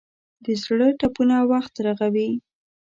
د زړه ټپونه وخت رغوي.